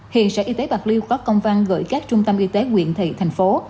hiện sở y tế bạc liêu có công văn gửi các trung tâm y tế quyện thị thành phố